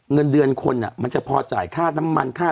เงินเดือนคนมันจะพอจ่ายค่าน้ำมันค่า